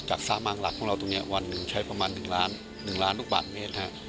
จากสามั่งหลักครัวเราตรงนี้นี้วันหนึ่งใช้ประมาณ๑ล้านลูกบาทเมตร